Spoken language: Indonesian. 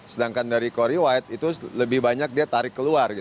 sedangkan dari co rewide itu lebih banyak dia tarik keluar